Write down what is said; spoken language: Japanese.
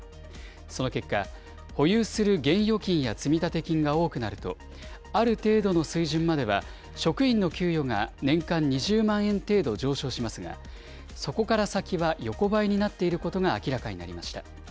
その結果、保有する現預金や積立金が多くなると、ある程度の水準までは職員の給与が年間２０万円程度上昇しますが、そこから先は横ばいになっていることが明らかになりました。